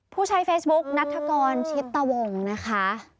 ผู้ใช้เฟซบุ๊กนัฐกรชิตวงนะคะ